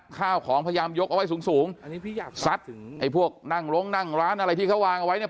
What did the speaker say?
ข้าวของพยายามยกเอาไว้สูงสูงซัดไอ้พวกนั่งลงนั่งร้านอะไรที่เขาวางเอาไว้เนี่ย